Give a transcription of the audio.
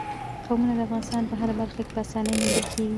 قومونه د افغانستان په هره برخه کې په اسانۍ موندل کېږي.